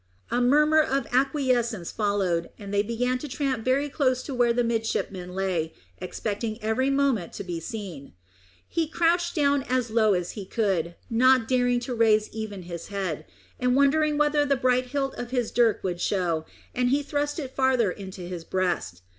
A murmur of acquiescence followed, and they began to tramp very close to where the midshipman lay, expecting every moment to be seen. He crouched down as low as he could, not daring to raise even his head, and wondering whether the bright hilt of his dirk would show, and he thrust it farther into his breast.